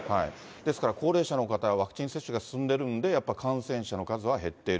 ですから高齢者の方、ワクチン接種が進んでいるんで、やっぱり感染者の数は減っている。